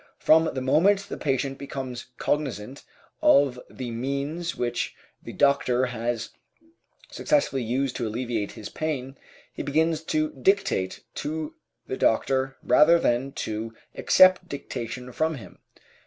From the moment the patient becomes cognizant of the means which the doctor has successfully used to alleviate his pain, he begins to dictate to the doctor rather than to accept dictation from him.